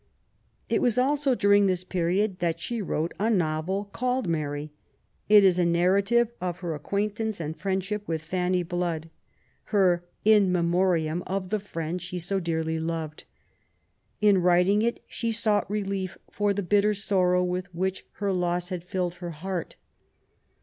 It was also during this period that she wrote a novel called Mary. It is a narrative of her acquaintance and friendship with Fanny Blood — her In Memoriam of the friend she so dearly loved. In writing it she sought relief for the bitter sorrow with which her loss had filled her heart.